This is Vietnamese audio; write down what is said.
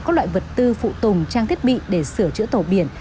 các loại vật tư phụ tùng trang thiết bị để sửa chữa tàu biển